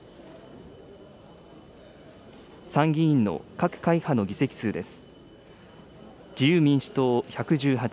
参議院の各会派の議席数です。